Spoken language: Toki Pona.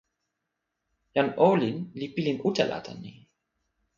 jan olin li pilin utala tan ni!